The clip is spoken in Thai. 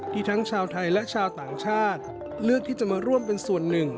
ทั้งชาวไทยและชาวต่างชาติเลือกที่จะมาร่วมเป็นส่วนหนึ่ง